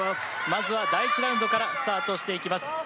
まずは第１ラウンドからスタートしていきます。